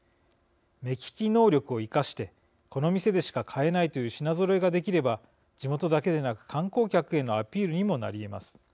目利き能力を生かしてこの店でしか買えないという品ぞろえができれば地元だけでなく観光客へのアピールにもなりえます。